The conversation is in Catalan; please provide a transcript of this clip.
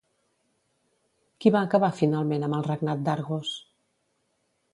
Qui va acabar finalment amb el regnat d'Argos?